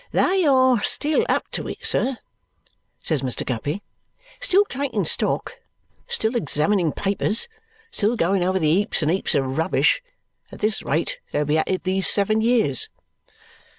"They are still up to it, sir," says Mr. Guppy, "still taking stock, still examining papers, still going over the heaps and heaps of rubbish. At this rate they'll be at it these seven years."